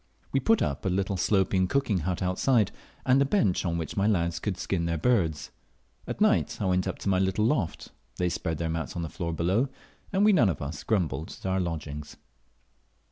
We put up a little sloping cooking but outside, and a bench on which my lads could skin their birds. At night I went up to my little loft, they spread their mats on the floor below, and we none of us grumbled at our lodgings.